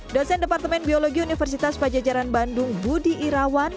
dosen departemen biologi universitas pajajaran bandung budi irawan